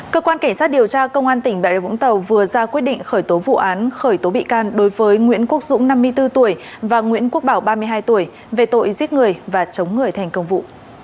cơ quan cảnh sát điều tra công an tỉnh bà rịa vũng tàu vừa ra quyết định khởi tố vụ án khởi tố bị can đối với nguyễn quốc dũng năm mươi bốn tuổi và nguyễn quốc bảo ba mươi hai tuổi về tội giết người và chống người thành công vụ